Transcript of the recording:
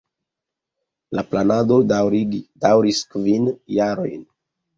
La planado daŭris kvin jarojn.